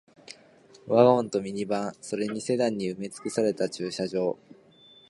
ワゴンとミニバン、それにセダンに埋め尽くされた駐車場